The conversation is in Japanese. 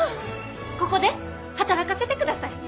ここで働かせてください。